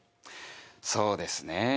そうですね。